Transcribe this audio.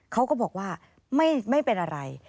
เขาก็บอกว่าไม่เป็นอะไร